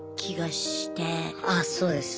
あそうです。